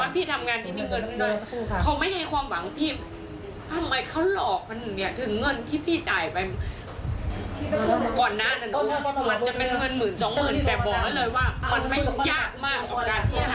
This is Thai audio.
แต่บอกได้เลยว่าความหวังยังยากมากของการที่อาหาร